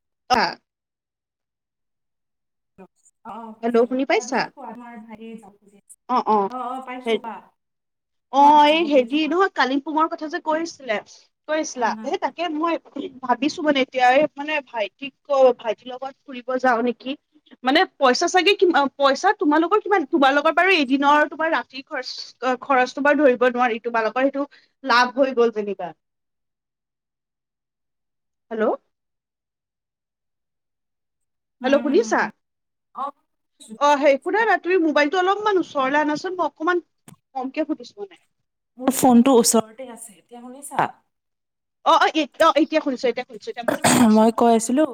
[unintelligible] [unintelligible] অঁ হেল্ল' পাইছোঁ। শুনি পাইছা তাৰপিছত কোৱা ভাইটিৰ [unintelligible] অ', অ', হে পাইছোঁ কোৱা তোমাৰ ভাই অ', এই যাব খুজি আছে হেৰি কোৱা নহয় কালিমপুঙৰ কথা যে, কৈ ছিলে কৈ আছিলা, হম হম সেই তাকে মই ভাবিছো মানে এতিয়া এই মানে ভাইটিক অ' ভাইটিৰ লগত ফুৰিব যাওঁ নেকি? মানে পইচা চাগে কি পইচা তোমালোকৰ কিমান? তোমাৰ লগৰ বাৰু এদিনৰ তোমাৰ ৰাতিৰ খৰচ খৰচটো বাৰু ধৰিব নোৱাৰি, তোমালোকৰ সেইটো লাভ হৈ গ'ল যেনিবা। হেল্ল'? হেল্ল' হম হম শুনিছা? হম অ অ' সেই শুনা না তুমি মোবাইল অলপমান ওচৰলৈ আনাচোন, মই অকনমান কমকে শুনিছো মানে? মোৰ ফোনটো ওচৰতে আছে এতিয়া শুনিছা? অ', অ', এ এতিয়া শুনিছো - এতিয়া শুনিছো এতিয়া ভালকে শুনিছো। মই কৈ আছিলোঁ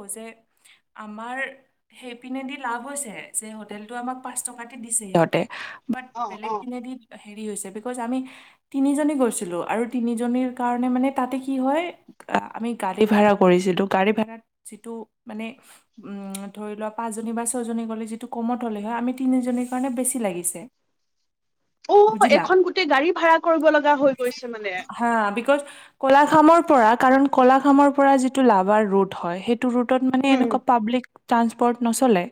সেইপিনে দি লাভ হৈছে যে হোটেলটো আমাক পাঁচ টকাতে দিছে সিহঁতে বাট অ অ বেলেগ পিনেদি হেৰি হৈছে বিকজ আমি তিনিজনী গৈছিলোঁ, আৰু তিনিজনীৰ কাৰণে মানে তাতে কি হয়, আমি গাড়ী ভাড়া কৰিছিলো। গাড়ী ভাড়াত যিটো মানে উ ধৰি লোৱা পাঁচজনী বা ছয় জনী গ'লে যিটো কমত হ'লে হয় আমি তিনিজনীৰ কাৰণে বেছি লাগিছে। অ' বুজিলা এখন গোটেই গাড়ী ভাড়া কৰিব লগা হৈ গৈছে মানে? হা বিকজ কলাখামৰ পৰা কাৰণ কলাখামৰ পৰা যিটো লাভাৰ ৰোত হয়, সেইট ৰোটত মানে উম এনেকুৱা পাব্লিক ট্ৰানছপৰ্ট নচলে।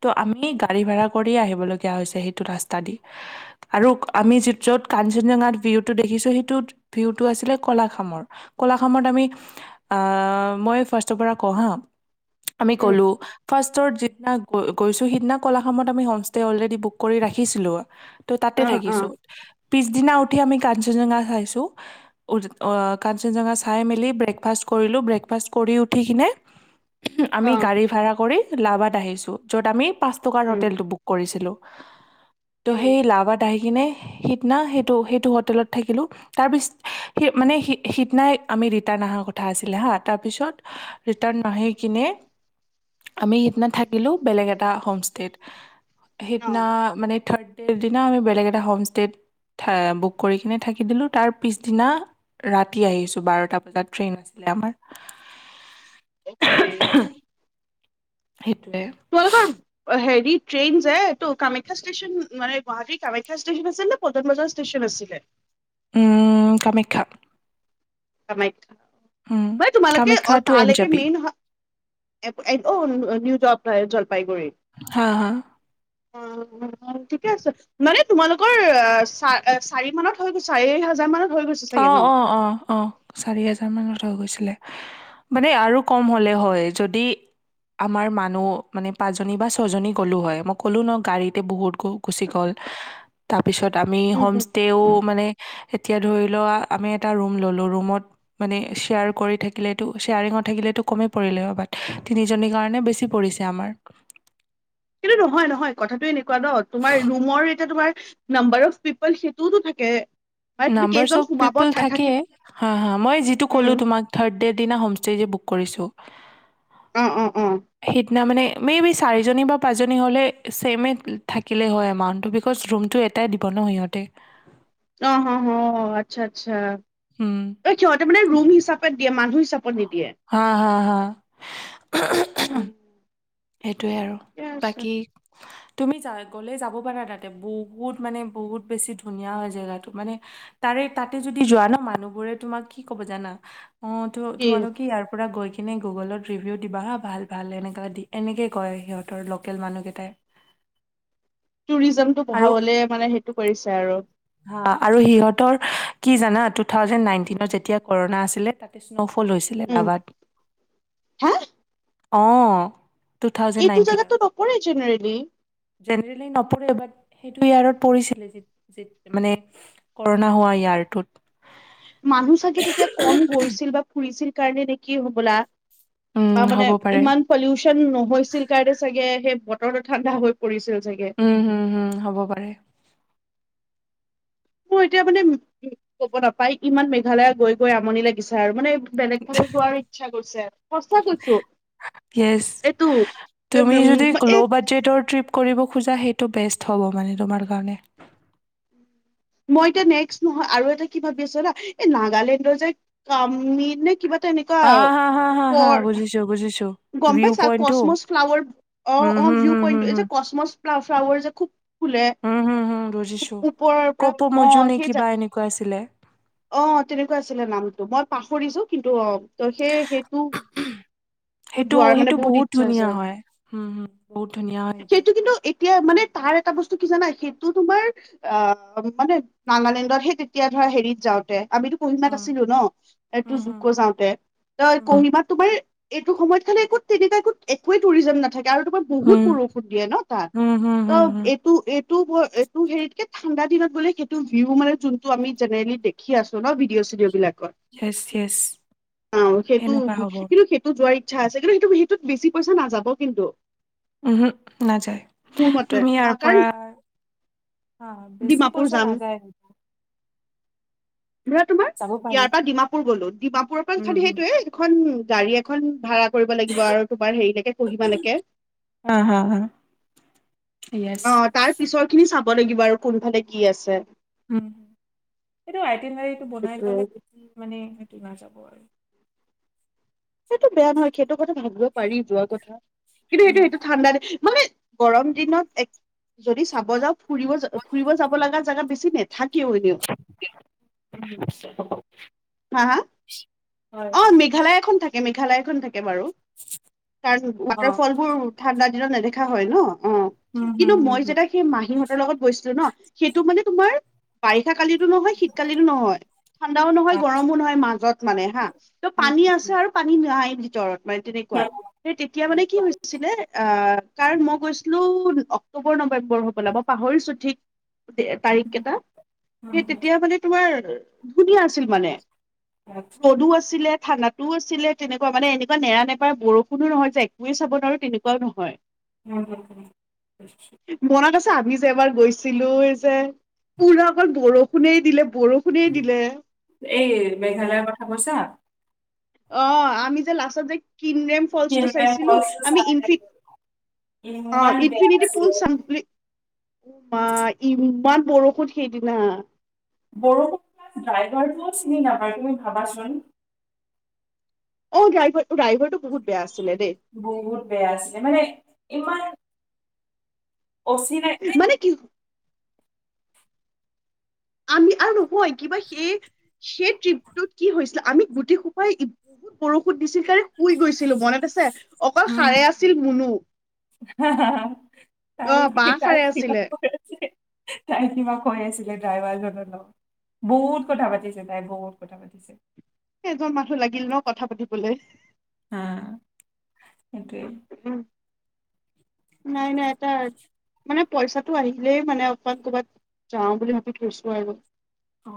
ত' আমি গাড়ী ভাৰা কৰি আহিব লগীয়া হৈছে সেইটো ৰাস্তা দি। আৰু আমি যি য'ত কান নজঙাত ভিউটো দেখিছো সেইটোত ভিউটো আছিলে কলাখামৰ। কলাখামত আমি আ মই ফাৰ্ষ্টৰ পৰা কও হাঁ আমি উম ক'লো, ফাৰ্ষ্। যিদিনা গৈছো, সিদিনা কলাখামত আমি হমষ্টে অলৰেডি বুক কৰি ৰাখিছিলো। ত' তাতে অ অ থাকিছো। পিছদিনা উঠি আমি কাঞ্চনজেঙা চাইছোঁ। অ', কাঞ্চনজেঙা চাই মেলি ব্ৰেকফাষ্ট কৰিলোঁ, ব্ৰেকফাষ্ট কৰি উঠি কিনে। উম, অ গাড়ী ভাড়া কৰি। লাভাত আহিছোঁ। য'ত, আমি। পাঁচ টকাৰ উম হোটেলটো বুক কৰিছিলোঁ। [inaudible] টো উম সেই লাবাত আহি কিনে [inaudible] না সেইটো, সেইটো হোটেলত থাকিলো। তাৰ পিছ, মানে সি-সিদিনাই আমি ৰিটাৰ্ণ অহাৰ কথা আছিলে হা, তাৰপিছত ৰিটাৰ্ণ নাহি কিনে আমি সিদিনা থাকিলো বেলেগ এটা হোম ষ্টেত। অ সেইদিনা মানে থাৰ্ড সেইদিনা আমি বেলেগ এটা হোমষ্টেত থা, বুক কৰি কিনে থাকি দিলোঁ, তাৰ পিছদিনা ৰাতি আহিছোঁ বাৰটা বজাত ট্ৰেইন আছিলে আমাৰ। অকে। সেইট তোমালোকৰ, হে ট্ৰেইন যায়, এইটো কামাখ্যা ষ্টেচন মানে গুৱাহাটীৰ কামাখ্যা ষ্টেচন আছিল নে, পটন বজাৰ ষ্টেচন আছিলে? উম, কামখ্যা। কামখ্ মানে তোমালোকে, অ কামাখ্যা টু এন জে তালৈকে পি মেইন হ এপ এপ অ' নিও জল, জল হা হা অ', ঠিকে আছে। মানে তোমালোকৰ, অ' চ-চাৰি মানত হৈ গ' চাৰি হাজাৰ মানত হৈ গৈছে চাগে অ'-অ'-অ', অ',। চাৰি হাজাৰ মানত হৈ গৈছিলে। মানে আৰু কম হলে হয়, যদি আমাৰ মানুহ মানে পাঁচ জনী বা ছয় জনী গলো হয়। মই ক'লো ন গাড়ীতে বহুত গুচি গ'ল তাৰপিছত আমি ন হোম ষ্টেও মানে এতিয়া ধৰি লোৱা, আমি এটা ৰুম ললোঁ, ৰুমত মানে, শ্বেয়াৰ কৰি থাকিলো শ্বেয়াৰঙত থাকিলেতো কমেই পৰিলে বাট তিনিজনীৰ কাৰণে বেছি পৰিছে আমাৰ। সেইটো নহয়, নহয়, কথাটো এনেকুৱা ন, তোমাৰ ৰুমৰ এতিয়া তোমাৰ নাম্বাৰ অফ পিপল সেইটোওতো থাকে। মানে তুমি নাম্বাৰ কেইজন অ'ফ সোমাব পিপল থা- থাকে, থাকি হা'-হা', মই যিটো উম ক'লো তোমাক ৰ্থাদ দিনা হোম ষ্টে যে বুক কৰিছো। অঁ-অঁ-অঁ। তাৰমানানে [unintelligible] মেইবি চাৰিজনী বা পাঁচজনী হ'লে চছেমেই থাকিলেই হয় এমাউণ্টটো, বিকজ ৰুমটো এটাই দিব ন সিহঁতে। অঁ- অঁ-অ'হ, আচ্ছা আচ্ছা। হম। এই সিহঁতে মানে ৰুম হিচাপত দিয়ে মানুহ হিচাপ হা-হা-হা। [unintelligible] উম। সে সেইটোৱে আৰু, ঠিকে আছে বাকী তুমি যা গ'লে যাব পাৰা তাতে, বহুত মানে বহুত বেছি ধুনীয়া হয় জেগাটো, মানে তাৰে তাতে যদি যোৱা ন, মানুহবোৰে তোমাক কি ক'ব জানা অ' তো কি তোমালোক ইয়াৰ পৰা গৈ কিনে গুগলত ৰিভিউ দিবা হা ভাল ভাল এনেকুৱা দি এনেকে কয় সিহঁতৰ লোকেল মানুহকেইটাই। টুৰিজম টো বঢ়াবলে মানে সেইটো কৰিছে ছে আৰু সা আৰু সিহঁতৰ কি জানা টু থাউজেন নাইনিটনত যেতিয়া কৰণা আছিলে তাতে চব লৈছিলে উম নাবাত হা অঁ। টু থাউজেন এইটো নাইনটিনত, জেগাতটো নপৰে জেনেৰেলি যেনেৰেলি নপৰে বাট সেইটো ইয়াৰত পৰিছিলে [unintelligible] যে যে মানে কৰোণা হোৱা ইয়াৰটোত। মানুহ চাগে তেতিয়া কম গৈছিল বা ফুৰিছিল কাৰণে নে কি হবলা। উম হ'ব তাৰমানে পাৰে ইমান পলিউচন নহৈছিল কাৰণে চাগে সেই বতৰটো ঠাণ্ডা হৈ পৰিছিল চাগে উম হম-হম হ'ব পাৰে। মোৰ এতিয়া মানে, ক'ব নাপাই ইমান মেঘালয়া গৈ গৈ আমনি লাগিছে আৰু মানে বেলেগ ফালে যোৱাৰ ইচ্ছা গৈছে, সচা কৈছো, য়েছ এইটো তুমি যদি [unintelligible] ল' এ বাজেটৰ ট্ৰিপ কৰিব খোজা সেইটো বেষ্ট হব মানে তোমাৰ কাৰণে। মই এতিয়া নেক্স নহয় আৰু এটা কি ভাবি আছো না, এই নাগালেণ্ডৰ যে কামি নে কিবা এটা এনেকুৱা হা হা হা হা হা পৰ বুজিছো বুজিছো। গম ভিউ পাইছা পইণ্টটো কচমচ ফ্লাৱাৰ হম অ' অ' হম ভিউ হম হম পইণ্টটো, এই যে কচমচ ফ্লাৱাৰ যে খুব ফুলে হুম হুম হুম, বুজিছো ওপৰৰ পৰা কপৌ অ মজু নে সেই কিবা এনেকুৱা আছিলে। অ' তেনেকুৱা আছিলে নামটো, মই পাহৰিছো কিন্তু অ' ত' সেই সেইটো সেইটো যোৱাৰ মানে সেইটো বহুত ইচ্ছা আছে ধুনীয়া হয়, হুম হুম বহুত ধুনীয়া হয় সেইটো। কিন্তু এতিয়া মানে তাৰ এটা বস্তু কি জান, া সেইটো তোমাৰ অ' মানে নাগালেণ্ডত সে তেতিয়া ধৰা হেৰিত যাওঁতে আমিতো কুহিমাত উম, আছিলো ন, এইটো উম, হুম, জুকো যাওঁতে, ত' উম, উম, কহিমাত তোমাৰ এইটো সময়ত খালি কত তেনেকা কত একোৱে টুৰিজম নাথা আৰু তোমাৰ বহুত বৰষুণ দিয়ে ন তাত, উম, হুম, হুম, ত' হুম, এইটো এই [unintelligible] এইটো হেৰিতকে ঠাণ্ডা দিনত বোলে সেইটো ভিউ মানে যোনটো আমি জেনেৰেলি দে কি আছ [unintelligible] ভিডিঅ চিডিঅ' বিলাকত য়েছ, য়েছ। অ', সেইটো, সেনেকুৱা হ'ব। কিন্তু সেইটো যোৱা আচ্ছা আছে, কিন্তু সেইটো সেইটো বেছি পইচা নাযাব কিন্তু। উম [unintelligible] নাযায়, মোৰ মতে তুমি ইয়াৰ আহ কাৰণ পৰা বেছি ডিমাপুৰ পইচা যাম নাযায়। ধৰা তোমাৰ যাব পাৰি। ইয়াৰ পৰা ডিমাপুৰ গ'লো, ডিমাপুৰৰ উম, পৰা হুম, সেইটোয়ে এখন গাড়ী এখন ভাড়াত কৰিব লাগিব আৰু তোমাক হেই লেকে কুহিমা লেকে, হা, হা, হা, য়েছ। অ', তাৰ পিছৰ খিনি চা [unintelligible] লাগিব আৰু কোনফালে কি আছে। উম। এইটো [unintelligible] টো বনাই সেইটোয়ে থ'লে, মানে নাযাব আৰু। সেইটো বেয়া নহয় সেইটো কথা ভাভী পাৰি যোৱা কথা কিন্তু উম, এইটো সেইটো ঠাণ্ডা [unintelligible] মানে গৰম দিনত, এক যদি চাব যাওঁ ফুৰিব যা ফুৰিব যাব লগা জেগা বেছি [unintelligible] এনেও [unintelligible] হা হা হয়। অ মেঘালয় এখন থাকে। মেঘালয় খন। কে বাৰু, তাৰ অ', ৱাতাৰফল বোৰ ঠাণ্ডাত। নেদেখা হয় নহ। অ উম, হুম, কিন্তু হুম, মই যেতিয়া সেই মাহীহঁতৰ লগত গৈছিলোঁ নহ সেইটো মানে তোমাৰ। পাই। কালিতো নহয় শিতকালিতো নহয় ঠাণ্ডাও নহয়। হুম, [unintelligible] নহয় মাজত মানে হা ত এই পানী আছে আৰু পানী। [unintelligible] মানে তেনেকুৱা সেই তেতিয়া মানে কি হৈছিলে অ। কাৰণ মই গৈছিলোঁ অক্টোবৰ নব। বোৰ হবলা মই পাহৰিছোঁ ঠিক। তাৰিখ কেইটা সেই তেতিয়া মানে তোমাৰ। ধুনীয়া আছিল মানে। মধু আছিলে। ঠাণ্ডাতো আছিলে তেনেকুৱা মানে এনেকুৱা নেৰা নেপৰা বৰষুণো নহয় যে একোৱে চাব নোৱাৰো তেনেুৱাও নহয়। উম হম। মনত আছে আমি যে এবাৰ গৈছিলো এই যে পুৰা অকল বৰষুণেই দিলে। বৰষুণেই দিলে। মেঘালয়ৰ কথা কৈছা। অ আমি যে লাষ্টত যে। কিনৰেম ফলচ চিন্ময় চাইছিলো ফলচ আমি চাই ইফিনি আহিলো। অ ইমান বেয়া ইনফিনিটি পুল আছিলে চাম বুলি। উ মা ইমান বৰষুণ সেইদিনা। বৰষুণ ড্ৰাইভাৰটোও চিনি নাপায় তুমি ভাবাচোন। অ ড্ৰাইভাৰ ড্ৰাইভাৰ টো বহুত বেয়া আছিল। বহুত বেয়া আছিলে মানে ইমান। অচিনাই মানে। আমি আৰু নহয় কিবা সেই। সেই ট্ৰিপটোত কি হৈছে। আমি গুটেখোপাই বহুত বৰষুন দিছিল কাৰণে। শুই গৈছিলোঁ মনত আছে অকল হুম, সাৰে আছিল মুনু তাই অ বা তাই সাৰে কিবা আছিলে। কৈ আছিলে তাই কিবা কৈ আছিলে ড্ৰাইভাৰজনৰ লগত বহুত কথা পাতিছে তাই বহুত কথা পাতিছে। এজন মানুহ লাগিল নহ কথা পাতিবলৈ। হা। সেইটোৱে। উম, নাই, নাই, নাই মানে পইচাটো আহিলেই মানে অকমান ক'ৰবাত যাওঁ বুলি ভাবি থৈছো আৰু। অ,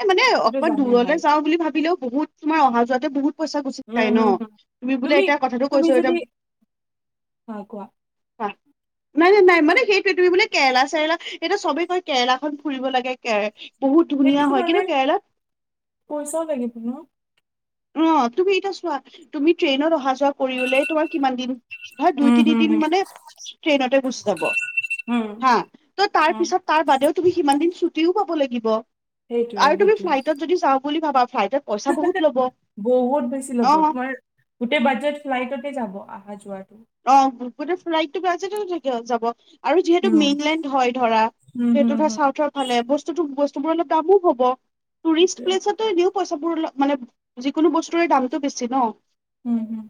এ মানে সেইটোতো অকমান জানে ভাই দূৰলৈ যাওঁ বুলি ভাবিলেও বহুত তোমাৰ অহা-যোৱাতে বহুত পইচা গুচি উম যায় ন' হম তুমি বোলে এতিয়া কথাটো তুমি কৈছো যদি এতিয়া হা কোৱা নাই, নাই, নাই, মানে সেইটোৱে তুমি বোলে কেৰেলা-চেৰেলা সেইটোৱেই চবেই কয়, কেৰেলাখন ফুৰিব লাগে কেৰে সেইটোতো মানে, পইচাও লাগিব ন'? অ', তুমি এতিয়া চোৱা, তুমি ট্ৰেইনত অহা-যোৱা কৰিবলৈ তোমাৰ কিমানদিন ধৰা, উম হম দুই-তিনিদিন হম মানে ট্ৰেইনতে গুছি যাব। উম হা ত [unintelligible] তাৰ উম পিছত তাৰ বাদেও তুমি সিমান দিন ছুটিও পা [unintelligible] লাগিব। সেইটোয়ে আৰু তুমি সেইটোয়ে ফ্লাইটত যদি যাওঁ বুলি ভাবা। ফ্লাইটত পইচা বহুত ল'ব। বহুত বেছি ল'ব! অ তোমাৰ গোটেই বাজেট ফ্লাইটতে যাব। আহা-যোৱাৰ। অ', [unintelligible] গোটেই ফ্লাইটটো বাজেট [unintelligible] যাব। আৰু যিহেতু উম মেইনলেণ্ড হয় ধৰা, উম যিহেতু হম [unintelligible] হম চাউথাৰ ফালে বস্তু বস্তুটো, বস্তুবোৰ অলপ দামো হ'ব। টোৰিষ্ট সেইটোৱে প্লেছতটো এনেও পইচা বোৰ অলপ মানে, যিকোনো বস্তুৰে দামটো বেছি ন'। উম হম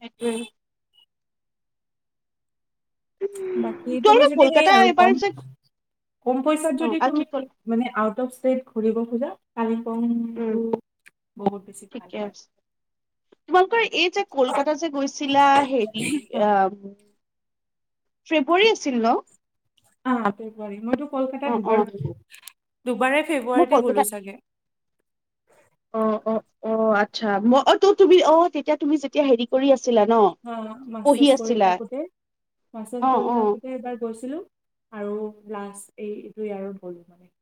হেইটোৱেই। বাকী তুমি তোমালোকে যদি সেই কলকাতা আৰু এবাৰ কম, যে কম পইচাত অ যদি আৰু কি তুমি, কল মানে আউট অফ ষ্টেট ঘূৰিব খোজা পাৰে। উম [unintelligible] বহুত বেছি ঠিকে ভালে। আছে তোমালোকৰ এ এই যে কলকাতা যে গৈছিলা হেৰি হা, আহ। ফেব্ৰুৱাৰী আছিল ন? আহ ফেব্ৰুৱাৰী মইটো অ কলকাতাত অ দুবাৰ গ'লো। দুবাৰে ফেব্ৰুৱাৰীতে গ'লোঁ ছাগে। ত অ-অ-অ আচ্ছা ম অ ত তুমি অ তেতিয়া তুমি যেতিয়া হেৰি কৰি আছ হা মাৰ্চচাচ কৰি থাকোতে, মাছেজ অ কৰি অ থাকোতে এইবাৰ গৈছিলো। আৰু লাষ্ট এই দুইয়াৰত হ'ল মানে।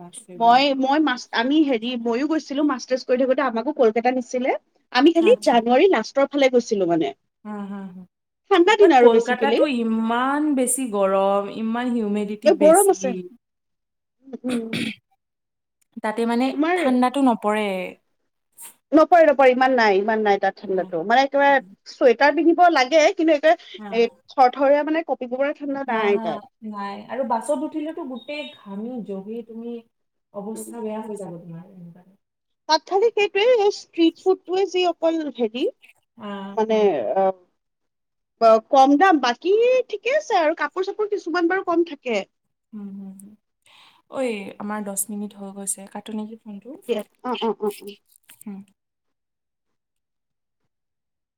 লাষ্ট মই, ফেব্ৰুৱাৰী মই মাছ, আমি হেৰি ময়ো গৈছো ছিলো মাষ্টাৰ্চ কৰি থাকোতে আমাকো কলকাতা নিছিলে। আমি খালি আচ্ছা জানুৱাৰী লাষ্ট তৰ ফালে গৈছিলো মানে। হা, হা, হা ঠাণ্ডা দিন বাট আৰু বেচিকেলি কলকাতাটো ইম্মান বেছি গৰম। ইম্মান হিউমিডিটি এ গৰম বেছি। আছে উম উম তাতে মানে, তোমাৰ ঠাণ্ডাটো নপৰে। [inaudible] নপৰে, নপৰে ইমান নাই। ইমান নাই তাত ঠাণ্ডাতো, মানে একেবাৰে ছুৱেট টাৰ পিন্ধিব লাগে, কিন্তু এক এ, এ, থৰথৰিয়া মানে কঁপিব পৰা ঠাণ্ডা হ, নাই হ, তাত নাই আৰু বাছত উঠিলেতো গোটেই ঘামি। যহি তুমি উম, অৱস্থা বেয়া হৈ যাব তোমাৰ। কোনবা তাত খালি কেক্ এ, ষ্ট্ৰিট ফুডটোৱে যি অক কল হেৰি। উম মানে অপ ক, কম দাম, বাকী, ঠিকে আছে আৰু কাপোৰ-চাপোৰ কিছুমান বাৰু কম থাকে। উ। ঐ, আমাৰ দচ মিনিট হৈ গৈছে কাটো নিকি! দিয়া। অ', অ', অ', অ'।